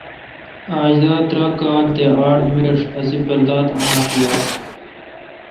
اج داترہ تے آڑ کال میݭ اسے پرداداُماپر یاس۔